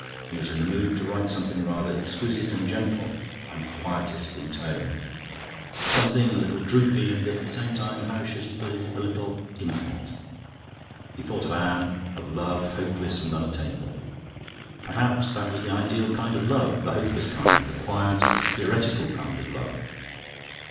He was in the mood to write something rather exquisite and gentle and quietist in tone; something a little droopy and at the same time how should he put it? a little infinite. He thought of Anne, of love hopeless and unattainable. Perhaps that was the ideal kind of love, the hopeless kind the quiet, theoretical kind of love.